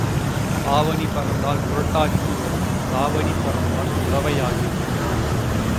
ஆவணி பறந்தால் புரட்டாசி வரும் தாவணி பறந்தால் புடைவையாகி வரும்.